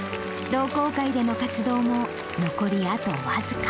同好会での活動も残りあとわずか。